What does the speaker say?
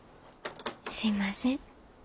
すいません。